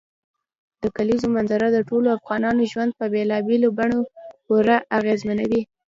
د کلیزو منظره د ټولو افغانانو ژوند په بېلابېلو بڼو باندې پوره اغېزمنوي.